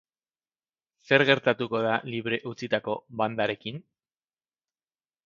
Zer gertatuko da libre utzitako bandarekin?